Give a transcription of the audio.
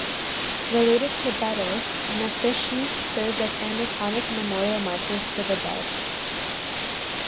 Related to betyls, "nepheshes" served as aniconic memorial markers for the dead.